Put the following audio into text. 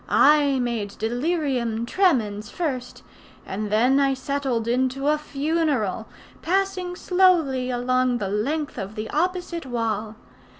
I made delirium tremens first; and then I settled into a funeral, passing slowly along the length of the opposite wall.